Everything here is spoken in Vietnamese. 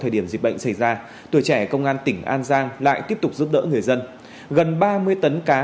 thời điểm dịch bệnh xảy ra tuổi trẻ công an tỉnh an giang lại tiếp tục giúp đỡ người dân gần ba mươi tấn cá